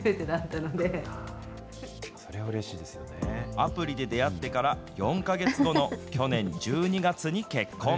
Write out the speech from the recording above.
アプリで出会ってから４か月後の去年１２月に結婚。